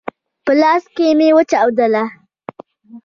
په لاس کي مي وچاودله !